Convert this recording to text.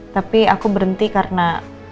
tapi aku berhenti karena